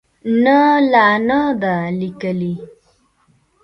نه، لا نه ده لیکلې